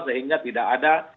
sehingga tidak ada